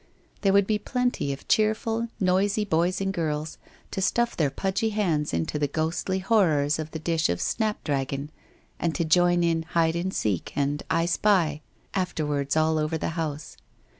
There would be plenty of cheerful, noisy boys and girls to stuff their pudgy hands into the ghostly horrors of the dish of snap dragon and to join in ' Hide and Seek ' and ' I Spy ' afterwards all over the house.